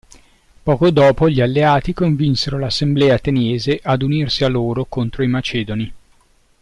Poco dopo gli alleati convinsero l'assemblea ateniese ad unirsi a loro contro i Macedoni.